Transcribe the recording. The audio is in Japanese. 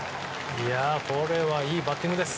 これはいいバッティングです。